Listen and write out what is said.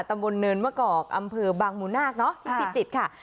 ตำบลเนินเมื้อกอกอำเภอบางหมูนาคพิจิตรค่ะ